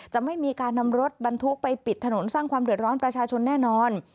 ไม่มีการนำรถบรรทุกไปปิดถนนสร้างความเดือดร้อนประชาชนแน่นอน